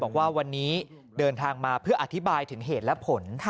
บอกว่าวันนี้เดินทางมาเพื่ออธิบายถึงเหตุและผล